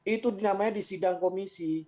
itu namanya di sidang komisi